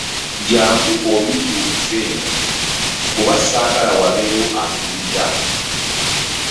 Jangu obimbuulize eno kuba saagala wabeewo atuwulira.